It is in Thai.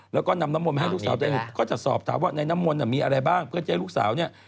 แล้วก็นำน้ำมนต์มาให้ลูกสาวตัวเองก็จะสอบถามว่าในน้ำมนต์มีอะไรบ้างเพื่อจะให้ลูกสาวเนี่ย